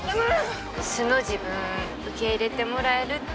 素の自分受け入れてもらえるって自信ある？